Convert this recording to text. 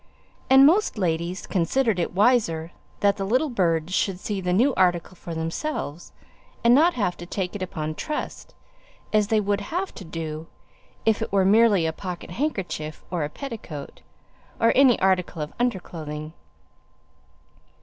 And most ladies considered it wiser that the little birds should see the new article for themselves, and not have to take it upon trust, as they would have to do if it were merely a pocket handkerchief, or a petticoat, or any article of under clothing.